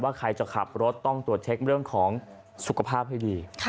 ใครจะขับรถต้องตรวจเช็คเรื่องของสุขภาพให้ดี